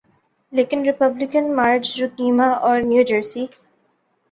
لیکن Republican Marge Roukema R New Jersey